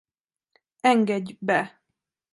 Engedj be!